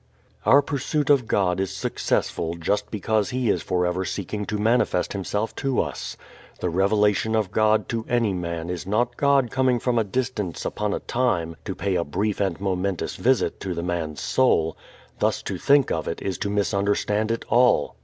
Our pursuit of God is successful just because He is forever seeking to manifest Himself to us. The revelation of God to any man is not God coming from a distance upon a time to pay a brief and momentous visit to the man's soul. Thus to think of it is to misunderstand it all.